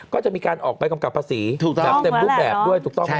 ก็จะมีการออกไปกำกัดภาษีจับเต็มรูปแบบด้วยถูกต้องนะครับ